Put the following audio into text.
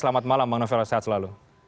selamat malam bang novel sehat selalu